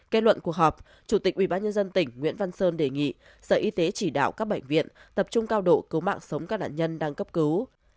kết luận cuộc họp chủ tịch ubnd tỉnh nguyễn văn sơn đề nghị sở y tế chỉ đạo các bệnh viện tập trung cao độ cứu mạng sống các nạn nhân đang cấp cứu